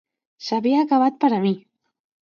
S'havia acabat per a mi.